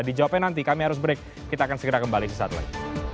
dijawabnya nanti kami harus break kita akan segera kembali sesaat lagi